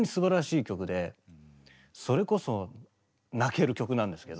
それこそ泣ける曲なんですけど。